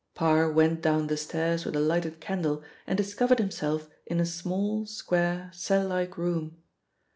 Parr went down the stairs with a lighted candle and discovered himself in a small, square, cell like room.